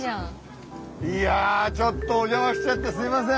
いやあちょっとお邪魔しちゃってすいません。